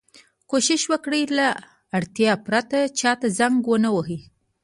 کوشش وکړئ! له اړتیا پرته چا ته زنګ و نه وهئ.